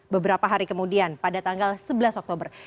beberapa hari kemudian pada tanggal sebelas oktober